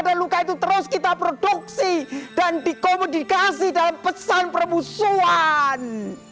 dan luka itu terus kita produksi dan dikomunikasi dalam pesan permusuhan